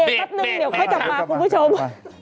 เบรกพอจำมาคุณผู้ชม